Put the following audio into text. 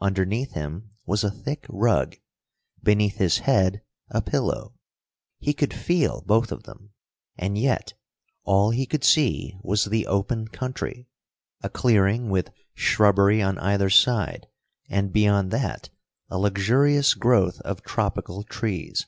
Underneath him was a thick rug, beneath his head a pillow; he could feel both of them, and yet all he could see was the open country, a clearing with shrubbery on either side, and, beyond that, a luxurious growth of tropical trees.